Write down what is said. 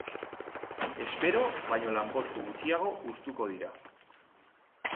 Espero baino lanpostu gutxiago hustuko dira.